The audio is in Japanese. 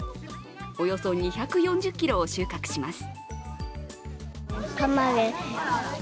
およそ２４０ｋｇを収穫します。